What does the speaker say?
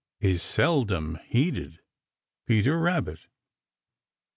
is seldom heeded, Peter Rabbit.